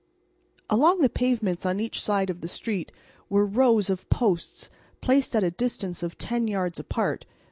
Along the pavements on each side of the street were rows of posts placed at a distance of ten yards apart.